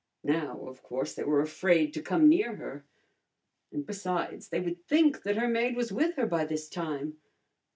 Now, of course, they were afraid to come near her. And, besides, they would think that her maid was with her by this time.